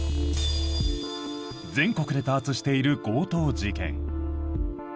全国で多発している強盗事件。